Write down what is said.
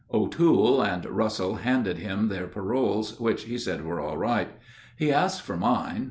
O'Toole and Russell handed him their paroles, which he said were all right. He asked for mine.